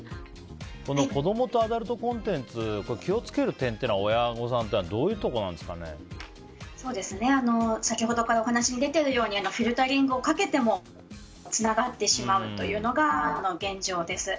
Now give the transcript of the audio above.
子供とアダルトコンテンツ気を付ける点というのは親御さんって先ほどからお話に出ているようにフィルタリングをかけてもつながってしまうというのが現状です。